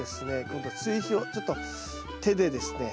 今度追肥をちょっと手でですね